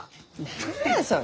何やそれ！